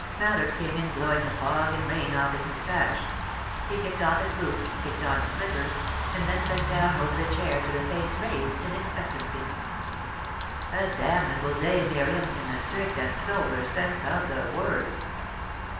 Mallard came in blowing the fog and rain off his moustache; he kicked off his boots, kicked on his slippers, and then bent down over the chair to the face raised in expectancy. "A damnable day, Miriam, in the strict and sober sense of the word."